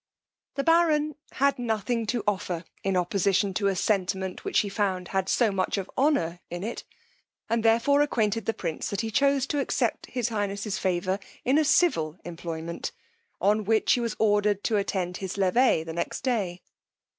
The baron had nothing to offer in opposition to a sentiment which he found had so much of honour in it, and therefore acquainted the prince that he chose to accept of his highness's favour in a civil employment; on which he was ordered to attend his levee the next day.